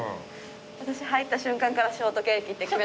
私入った瞬間からショートケーキって決めてました。